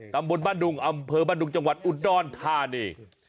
ตำบลบ้านดุงอำเภอบ้านดุงจังหวัดอุดรธานี